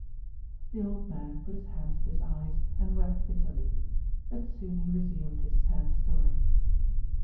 The old man put his hands to his eyes, and wept bitterly; but soon he resumed his sad story.